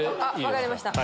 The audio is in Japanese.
分かりました。